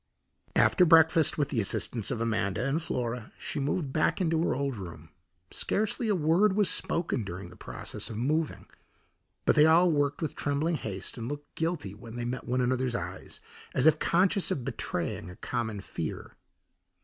After breakfast, with the assistance of Amanda and Flora, she moved back into her old room. Scarcely a word was spoken during the process of moving, but they all worked with trembling haste and looked guilty when they met one another's eyes, as if conscious of betraying a common fear.